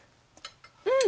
うん！